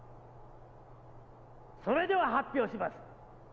・それでは発表します！